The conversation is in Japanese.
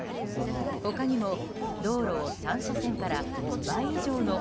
他にも道路を３車線から倍以上の７